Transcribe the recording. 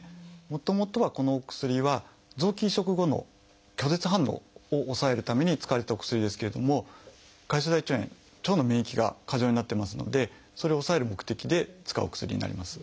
もともとはこのお薬は臓器移植後の拒絶反応を抑えるために使われてたお薬ですけれども潰瘍性大腸炎腸の免疫が過剰になってますのでそれを抑える目的で使うお薬になります。